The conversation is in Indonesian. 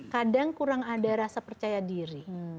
kadang kurang ada rasa percaya diri